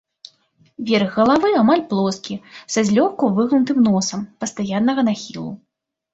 Верх галавы амаль плоскі, са злёгку выгнутым носам, пастаяннага нахілу.